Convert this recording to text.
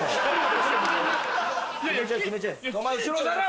お前後ろだろ！